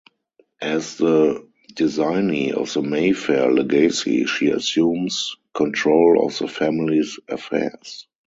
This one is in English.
As the designee of the Mayfair legacy she assumes control of the family's affairs.